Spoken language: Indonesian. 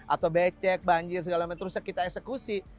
atau becek banjir segala macam terusnya kita eksekusi